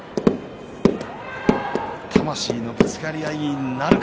魂のぶつかり合いになるか。